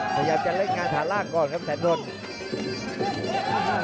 พยายามจะเล่นงานฐานล่างก่อนครับแสนดน